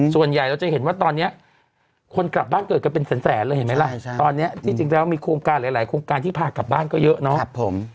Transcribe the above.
ส่วนใหญ่เราจะเห็นว่าตอนนี้คนกลับบ้านเกิดกันเป็นแสนเลยเห็นไหมล่ะตอนนี้จริงแล้วมีโครงการหลายโครงการที่พากลับบ้านก็เยอะเนาะ